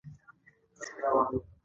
هغه خپلې تورې ښځې ته هېڅ نه ويل.